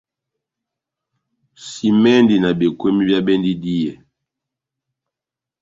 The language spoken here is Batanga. Simɛndi na bekweni bia bendi díyɛ.